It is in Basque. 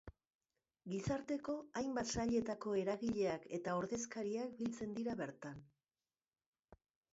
Gizarteko hainbat sailetako eragileak eta ordezkariak biltzen dira bertan.